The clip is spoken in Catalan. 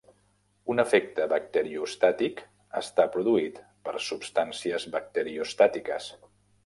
Un efecte bacteriostàtic està produït per substàncies bacteriostàtiques.